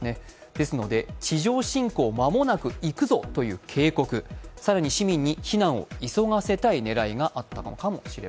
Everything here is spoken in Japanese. ですので、地上侵攻間もなく行くぞという警告、さらに市民に非難を急がせたい思惑だったのでは。